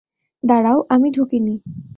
দাঁড়াও, আমি ঢুকিনি।